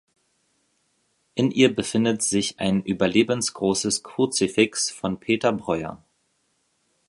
In ihr befindet sich ein überlebensgroßes Kruzifix von Peter Breuer.